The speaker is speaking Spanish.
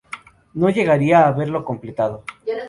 No llegaría a verlo completado.